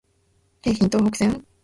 京浜東北線